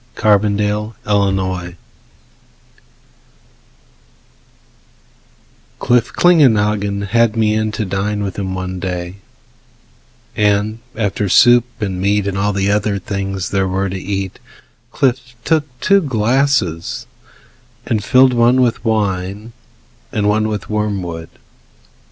Cliff Klingenhagen Cliff Klingenhagen had me in to dine With him one day; and after soup and meat, And all the other things there were to eat, Cliff took two glasses and filled one with wine And one with wormwood.